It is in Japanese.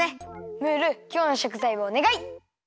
ムールきょうのしょくざいをおねがい！